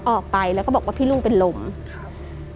ออกไปแล้วก็บอกว่าพี่ลุงเป็นลมครับ